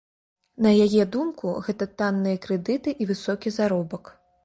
На яе думку, гэта танныя крэдыты і высокі заробак.